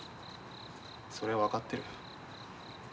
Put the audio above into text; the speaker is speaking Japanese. それは分かってる。